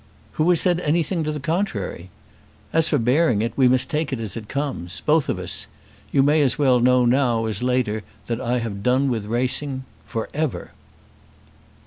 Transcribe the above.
"Who has said anything to the contrary? As for bearing it, we must take it as it comes, both of us. You may as well know now as later that I have done with racing for ever."